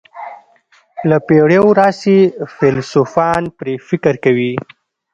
له پېړیو راهیسې فیلسوفان پرې فکر کوي.